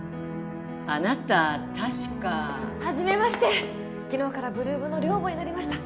あなた確かはじめまして昨日から８ＬＯＯＭの寮母になりました